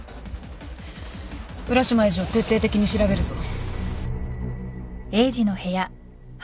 浦島エイジを徹底的に調べるぞ。